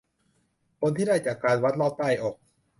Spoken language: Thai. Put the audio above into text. ผลที่ได้จากการวัดรอบใต้อก